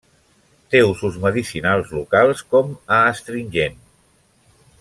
Té usos medicinals locals com a astringent.